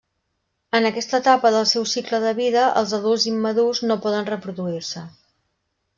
En aquesta etapa del seu cicle de vida, els adults immadurs no poden reproduir-se.